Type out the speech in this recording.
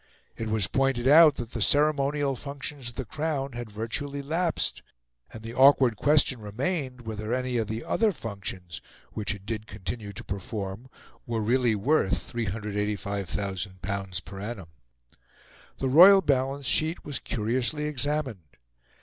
It was pointed out that the ceremonial functions of the Crown had virtually lapsed; and the awkward question remained whether any of the other functions which it did continue to perform were really worth L385,000 per annum. The royal balance sheet was curiously examined.